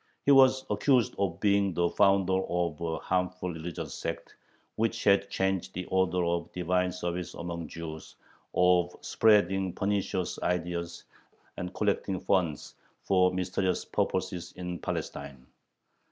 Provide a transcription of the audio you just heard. He was accused of being the founder of a harmful religious sect, which had changed the order of divine service among Jews, of spreading pernicious ideas, and collecting funds for mysterious purposes in Palestine.